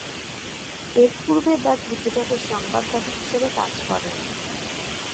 এরপূর্বে দ্য ক্রিকেটারের সংবাদদাতা হিসেবে কাজ করেন।